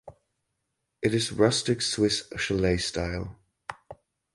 It is rustic Swiss chalet style.